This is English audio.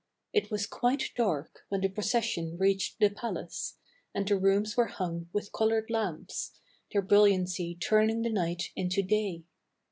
It was quite dark when the procession reached the palace, and the rooms were hung with colored lamps, their brilliancy turning the night into day.